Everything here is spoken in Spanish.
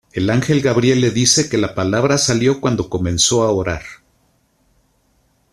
El ángel Gabriel le dice que la palabra salió cuando comenzó a orar.